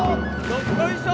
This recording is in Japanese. どっこいしょ！